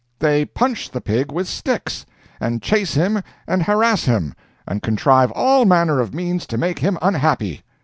They punch the pig with sticks, and chase him and harass him, and contrive all manner of means to make him unhappy.